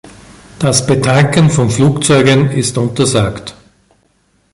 Das Betanken von Flugzeugen ist untersagt.